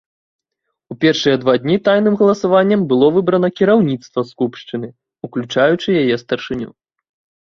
У першыя два дні тайным галасаваннем было выбрана кіраўніцтва скупшчыны, уключаючы яе старшыню.